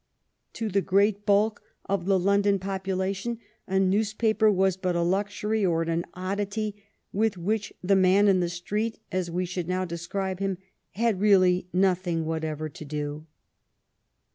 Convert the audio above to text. To the great bulk of the London population a news paper was but a luxury or an oddity with which " the man in the street," as we should now describe him, had really nothing whatever to do.